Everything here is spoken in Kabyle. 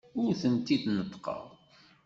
Ur tent-id-neṭṭqeɣ.